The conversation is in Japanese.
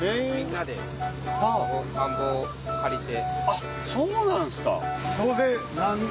あっそうなんですか。